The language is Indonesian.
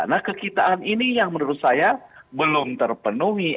nah kekitaan ini yang menurut saya belum terpenuhi